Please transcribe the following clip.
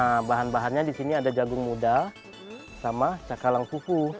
nah bahan bahannya di sini ada jagung muda sama cakalang kuku